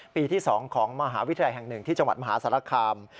ปีที่๒ของมหาวิทยาลัยแห่ง๑ที่จังหวัดมหาสารคาม